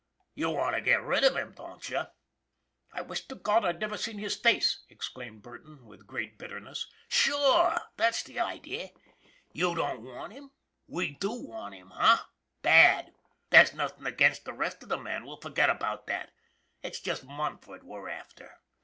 You want to get rid of him, don't you ?"" I wish to God I'd never seen his face !" exclaimed Burton, with great bitterness. "Sure! That's the idea. You don't want him; we do want him bad! There's nothin' against the 338 ON THE IRON AT BIG CLOUD. rest of the men; we'll forget all about that. It's just Munford we're after."